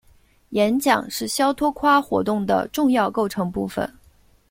演讲是肖托夸活动的重要构成部分。